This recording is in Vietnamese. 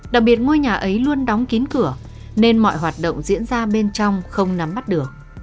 đặc biệt ngôi nhà ấy luôn đóng kín cửa nên mọi hoạt động diễn ra bên trong không nắm bắt được